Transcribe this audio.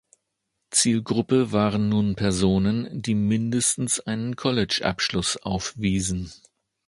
Zielgruppe waren nun Personen, die mindestens einen College-Abschluss aufwiesen.